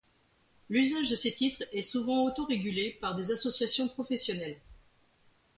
L'usage de ces titres est souvent auto-régulé par des associations professionnelles.